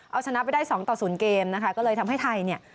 เอาชนะไปได้สองต่อศูนย์เกมนะคะก็เลยทำให้ไทยเนี่ย